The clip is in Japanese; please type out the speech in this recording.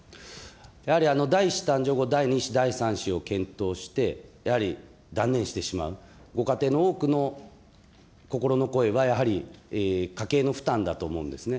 やはり第１子誕生後、第２子、第３子を検討して、やはり断念してしまうご家庭の多くの心の声は、やはり家計の負担だと思うんですね。